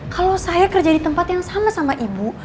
kalau saya kerja di tempat yang sama sama ibu